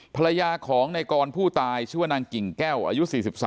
ภรรยาของในกรผู้ตายชื่อว่านางกิ่งแก้วอายุ๔๓